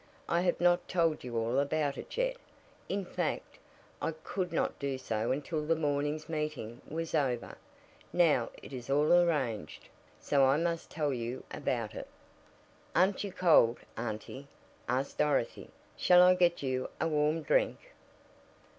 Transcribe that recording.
I have not told you all about it yet; in fact, I could not do so until this morning's meeting was over. Now it is all arranged, so I must tell you about it." "Aren't you cold, auntie?" asked Dorothy. "Shall I get you a warm drink?"